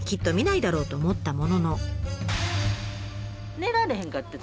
寝られへんかってん